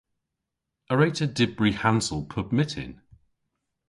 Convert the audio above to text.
A wre'ta dybri hansel pub myttin?